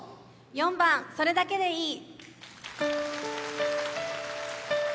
４番「それだけでいい」。